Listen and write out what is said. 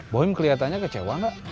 boy kelihatannya kecewa nggak